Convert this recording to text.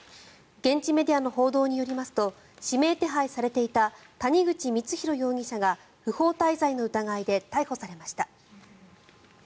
現地メディアの報道によりますと指名手配されていた谷口光弘容疑者が不法滞在の疑いで逮捕されました。